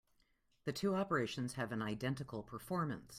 The two operations have an identical performance.